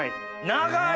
長い！